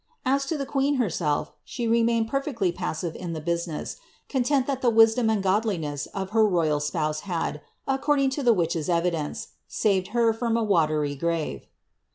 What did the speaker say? As lo ihe queen licraelf, she remained [^r fecily pasi^lvc in ilie business, conicnt that ilie wisdom and g^odliiiei^s of her royal spouse had, according lo the witch's evidence, saved her from a watery grave.